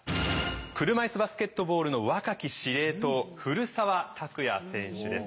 車いすバスケットボールの若き司令塔古澤拓也選手です。